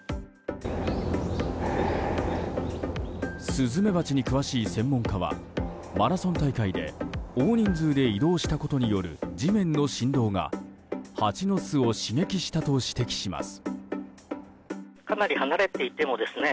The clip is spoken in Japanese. スズメバチに詳しい専門家はマラソン大会で、大人数で移動したことによる地面の振動がハチの巣を刺激したと指摘します。